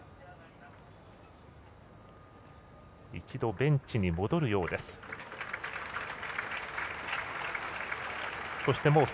一度、ベンチに戻るようです。